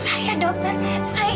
saya ibunya dokter